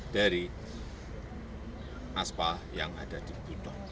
dari aspal yang ada di budo